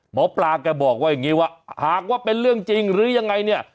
หมอปลาแกบอกว่าอย่างนี้ว่าหากว่าเป็นเรื่องจริงหรือยังไงเนี่ย